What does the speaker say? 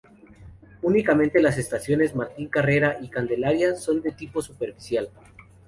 Únicamente las estaciones Martín Carrera y Candelaria son de tipo superficial.